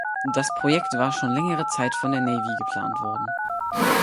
Das Projekt war schon längere Zeit von der Navy geplant worden.